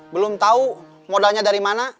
belum tahu modalnya dari mana